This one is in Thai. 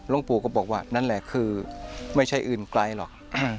ล้องปูก็บอกว่านั่นแหละไม่ใช่อื่นไกลหรอก